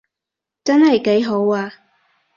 真係幾好啊